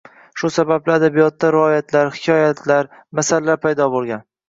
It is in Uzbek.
Shu sababli adabiyotda rivoyatlar, hikoyatlar, masallar paydo boʻlgan